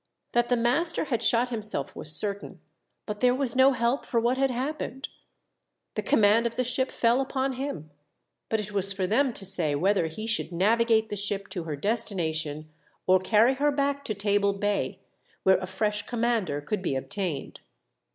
That the master had shot himself was certain, but there was no help for what had happened. The com mand of the ship fell upon him ; but it was for them to say whether he should navigate the ship to her destination, or carry her back to Table Bay, where a fresh commander could be obtained.